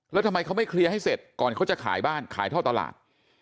แล้วทำไมเขาไม่เคลียร์ให้เสร็จก่อนเขาจะขายบ้านขายท่อตลาด